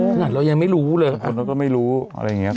ตอนนั้นเรายังว่าเราไม่รู้เลย